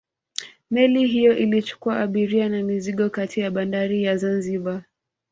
Meli hiyo ilichukua abiria na mizigo kati ya bandari ya Zanzibar